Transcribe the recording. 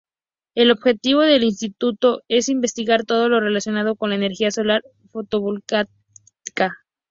El objetivo del instituto es investigar todo lo relacionado con la energía solar fotovoltaica.